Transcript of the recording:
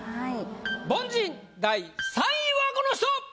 凡人第３位はこの人！